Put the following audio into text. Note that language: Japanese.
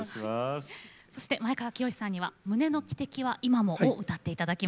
そして前川清さんには「胸の汽笛は今も」を歌って頂きます。